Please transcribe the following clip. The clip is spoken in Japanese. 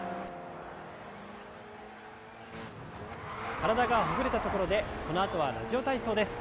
体がほぐれたところでこのあとは「ラジオ体操」です。